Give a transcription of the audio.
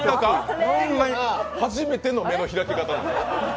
初めての目の開き方でしたよ。